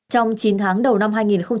trong chín tháng đầu năm hai nghìn hai mươi